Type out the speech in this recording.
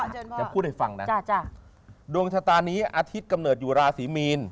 จะพูดให้ฟังนะดวงชะตานี้อาทิตย์กำเนิดอยู่ราศีมีน